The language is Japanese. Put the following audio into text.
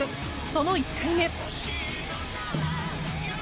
その１回目。